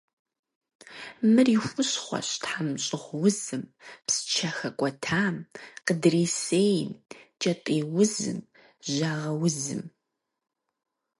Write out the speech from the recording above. Мыр и хущхъуэщ тхьэмщӏыгъуузым, псчэ хэкӏуэтам, къыдрисейм, кӏэтӏийузым, жьагъэузым.